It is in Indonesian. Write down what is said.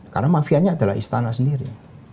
karena mafianya adalah istana sendiri